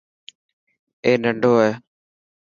اي انڌو هي.